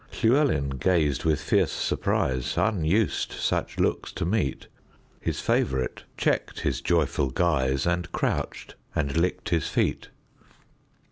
Llewelyn gazed with fierce surprise; Unused such looks to meet, His favorite checked his joyful guise, And crouched and licked his feet.